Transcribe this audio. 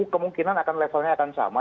kemungkinan levelnya akan sama